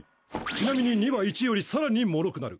ちなみに２は１より更に脆くなる。